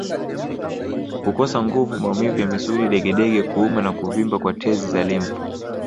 Kukosa nguvu maumivu ya misuli degedege kuuma na kuvimba kwa tezi za limfu